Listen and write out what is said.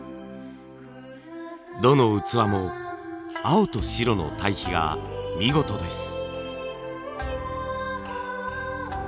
どの器も青と白の対比が見事です。